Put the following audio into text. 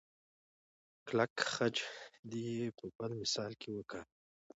کلک خج دې په بل مثال کې وکاروئ.